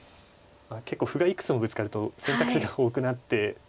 結構歩がいくつもぶつかると選択肢が多くなって。